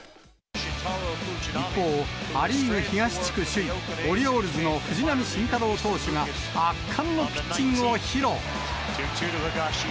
一方、ア・リーグ東地区首位オリオールズの藤浪晋太郎投手が圧巻のピッチングを披露。